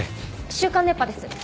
『週刊熱波』です。